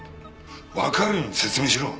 わかるように説明しろ。